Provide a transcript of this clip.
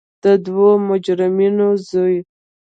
د دوو مجرمینو زوی.